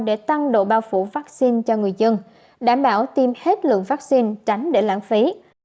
để tăng độ bao phủ vaccine cho người dân đảm bảo tiêm hết lượng vaccine tránh để lãng phí